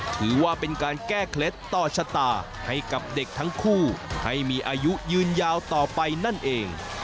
ถือว่าเป็นการแก้เคล็ดต่อชะตาให้กับเด็กทั้งคู่ให้มีอายุยืนยาวต่อไปนั่นเอง